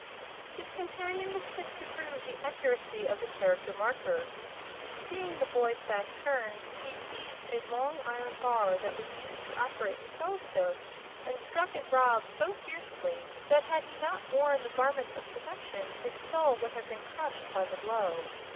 His companion was quick to prove the accuracy of the Character Marker. Seeing the boy's back turned, he seized a long iron bar that was used to operate the telescope, and struck at Rob so fiercely that had he not worn the Garment of Protection his skull would have been crushed by the blow.